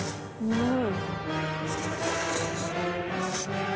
うん！